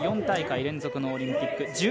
４大会連続のオリンピック。